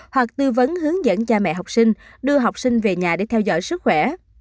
hoặc tư vấn hướng dẫn cha mẹ học sinh đưa học sinh về nhà để theo dõi sức khỏe